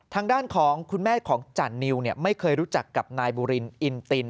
ทางด้านของคุณแม่ของจันนิวไม่เคยรู้จักกับนายบูรินอินติน